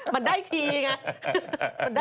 มันได้ทีไง